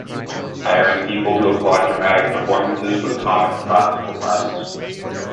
Hiring people to applaud dramatic performances was common in classical times.